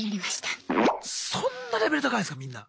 そんなレベル高いんですかみんな。